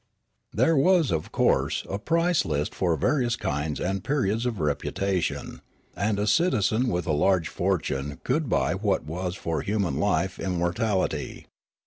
There was, of course, a price list for various kinds and periods of reputation ; and a citizen with a large fortune could buy what was for human life inmiortality.